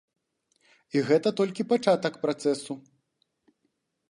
І гэта толькі пачатак працэсу.